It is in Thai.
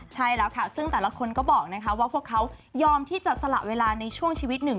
ใช่แล้วค่ะซึ่งแต่ละคนก็บอกนะคะว่าพวกเขายอมที่จะสละเวลาในช่วงชีวิตหนึ่ง